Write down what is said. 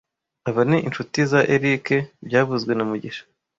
Aba ni inshuti za Eric byavuzwe na mugisha